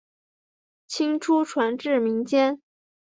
清初传至民间。